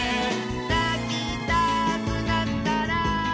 「なきたくなったら」